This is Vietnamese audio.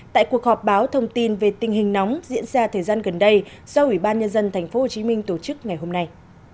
tại cuộc họp báo thông tin về tình hình nóng diễn ra thời gian gần đây do ủy ban nhân dân tp hcm tổ chức ngày hôm nay